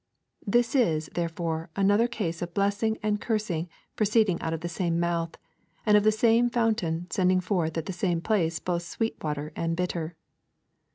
This is, therefore, another case of blessing and cursing proceeding out of the same mouth, and of the same fountain sending forth at the same place both sweet water and bitter.